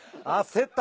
焦った。